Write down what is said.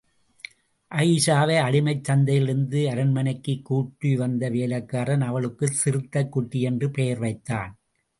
அயீஷாவை அடிமைச் சந்தையிலிருந்து, அரண்மனைக்குக் கூட்டி வந்த வேலைக்காரன் அவளுக்குச் சிறுத்தைக்குட்டி என்று பெயர் வைத்தான்!